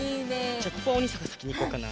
じゃあここはおにいさんがさきにいこうかな。